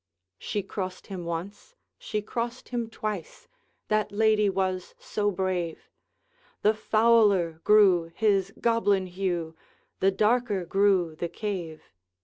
She crossed him once she crossed him twice That lady was so brave; The fouler grew his goblin hue, The darker grew the cave.